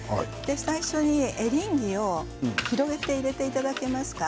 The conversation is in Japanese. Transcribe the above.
最初にエリンギを広げて入れていただけますか。